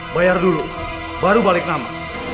bayar dulu baru balik nama